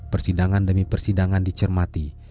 persidangan demi persidangan dicermati